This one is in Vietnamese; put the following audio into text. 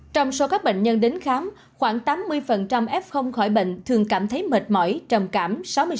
trong số các bệnh nhân đến khám khoảng tám mươi f khỏi bệnh thường cảm thấy mệt mỏi trầm cảm